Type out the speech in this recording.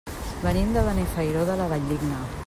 Venim de Benifairó de la Valldigna.